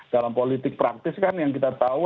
dalam politik praktis kan yang kita tahu